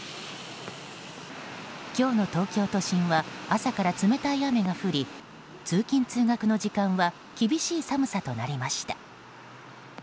今日の東京都心は朝から冷たい雨が降り通勤・通学の時間は厳しい寒さとなりました。